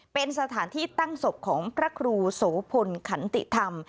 เป็นสถานที่ตั้งศพของพระครูโสพลขันติธรรม